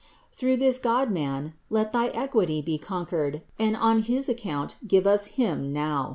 Through this Godman let thy equity be conquered and on his account give us Him now